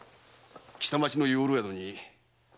北町の養老宿に何か？